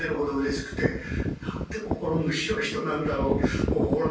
何て心の広い人なんだろう。